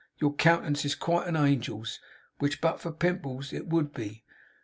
your countenance is quite a angel's!" Which, but for Pimples, it would be.